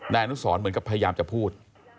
นายอนุสรเหมือนกับพยายามจะพูด